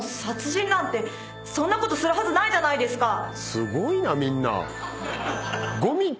すごいなみんな。